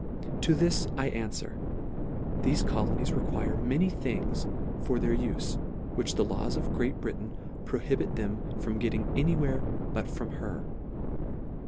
To this I anfwer. Thefe colonies require many things for their ufe, which the laws of Great Britain prohibit them from getting any where but from her.